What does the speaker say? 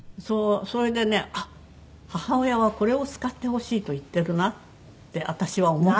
それでねあっ母親はこれを使ってほしいと言ってるなって私は思った。